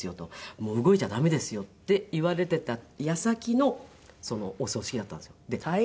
「もう動いちゃ駄目ですよ」って言われていた矢先のお葬式だったんですよ。